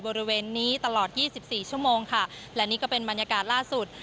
บริเวณนี้ตลอดยี่สิบสี่ชั่วโมงค่ะและนี่ก็เป็นบรรยากาศล่าสุด